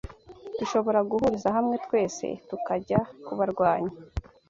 dushobora guhuriza hamwe twese tukajya kubarwanya